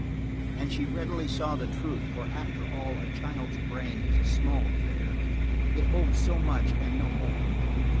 And she readily saw the truth for after all a child's brain is a small affair; it holds so much and no more.